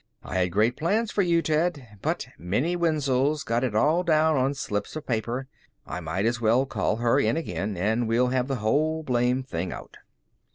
"I had great plans for you, Ted. But Minnie Wenzel's got it all down on slips of paper. I might as well call her, in again, and we'll have the whole blamed thing out."